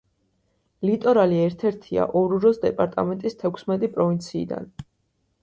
ლიტორალი ერთ-ერთია ორუროს დეპარტამენტის თექვსმეტი პროვინციიდან.